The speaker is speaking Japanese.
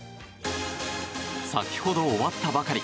先ほど終わったばかり。